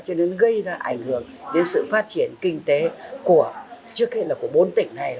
cho nên gây ra ảnh hưởng đến sự phát triển kinh tế trước hết là của bốn tỉnh này